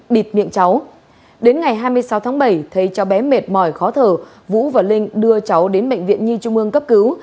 bịt miệng cháu đến ngày hai mươi sáu tháng bảy thấy cháu bé mệt mỏi khó thở vũ và linh đưa cháu đến bệnh viện nhi trung ương cấp cứu